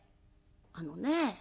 あのね